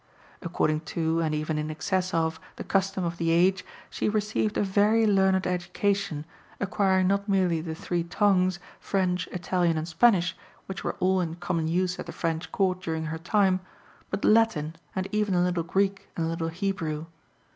According to, and even in excess of, the custom of the age, she received a very learned education, acquiring not merely the three tongues, French, Italian, and Spanish, which were all in common use at the French Court during her time, but Latin, and even a little Greek and a little Hebrew.